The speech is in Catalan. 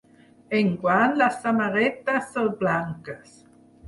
Enguany les samarretes són blanques.